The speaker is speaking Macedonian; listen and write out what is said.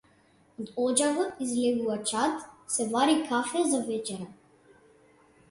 Од оџакот излегува чад, се вари кафе за вечера.